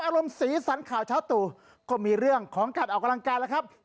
อารมณ์สีสันข่าวเช้าตู่ก็มีเรื่องของการออกกำลังกายแล้วครับ